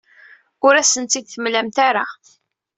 Ur asent-tt-id-temlamt ara.